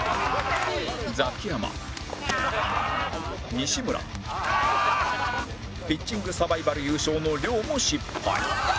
ザキヤマ西村ピッチングサバイバル優勝の亮も失敗